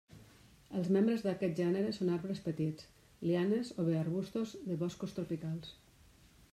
Els membres d'aquest gènere són arbres petits, lianes o bé arbustos de boscos tropicals.